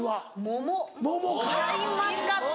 桃シャインマスカット。